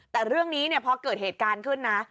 แต่เรื่องนี้เนี่ยพอเกิดเหตุการณ์ขึ้นนะ